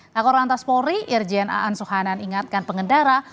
kakor lantas polri irjen aan suhanan ingatkan pengendara